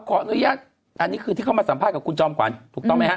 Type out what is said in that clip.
ขออนุญาตอันนี้คือที่เข้ามาสัมภาษณ์กับคุณจอมขวัญถูกต้องไหมฮะ